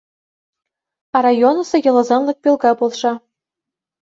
А районысо ялозанлык пӧлка полша.